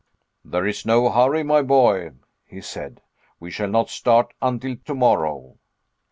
"There is no hurry, my boy," he said, "we shall not start until tomorrow."